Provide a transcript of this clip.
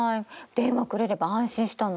電話くれれば安心したのに。